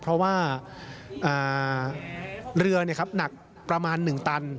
เพราะว่าเรือหนักประมาณ๑ตัน